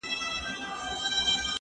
زه کولای سم موسيقي اورم؟